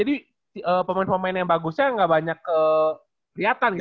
jadi pemain pemain yang bagusnya nggak banyak kelihatan gitu